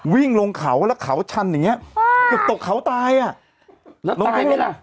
วิ่งลงเขาแล้วเขาชันอย่างเงี้เกือบตกเขาตายอ่ะแล้วตายไหมล่ะ